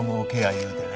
言うてね。